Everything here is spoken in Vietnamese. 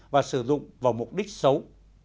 và sử dụng vào mục đích xấu